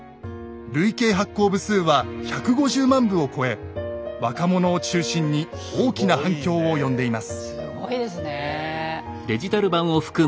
累計発行部数は１５０万部を超え若者を中心に大きな反響を呼んでいます。